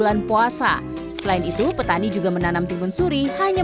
against fighter ya dibular itu seperti ber kitty mervek pakai ruang di luar selamanya di